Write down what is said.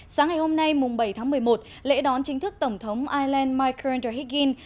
sáng ngày hôm nay bảy tháng một mươi một lễ đón chính thức tổng thống island mike kerrinder higgins